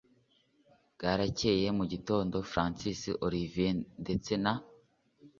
bwarakeye mugitondo francis olivier ndetse na